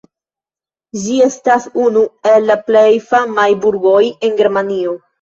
Ĝi estas unu el la plej famaj burgoj en Germanio.